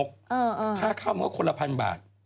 ค่าเข้ามันก็คนละพันบาท